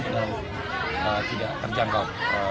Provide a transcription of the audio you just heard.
dan tidak terjangkau